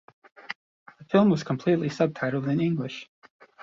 The film was completely subtitled in English.